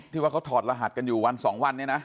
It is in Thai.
ว่าเขาถอดรหัสกันอยู่วันสองวันเนี่ยนะ